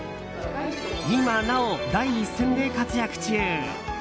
今なお第一線で活躍中。